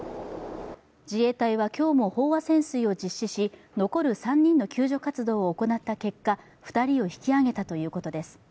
自衛隊は、今日も飽和潜水を実施し残る３人の救助活動を行った結果、２人を引き揚げたということです。